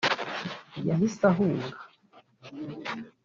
yahise ahunga